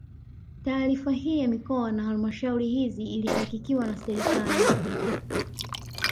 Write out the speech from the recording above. Taarifa hii ya mikoa na halmashauri hizi ilihakikiwa na serikali